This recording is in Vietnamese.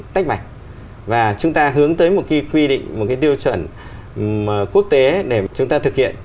tách bạch và chúng ta hướng tới một cái quy định một cái tiêu chuẩn quốc tế để chúng ta thực hiện